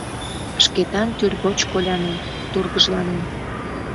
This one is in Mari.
Шкетан тӱргоч колянен, тургыжланен.